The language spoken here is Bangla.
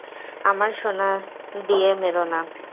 আমার সোনা দিয়ে মেরো না!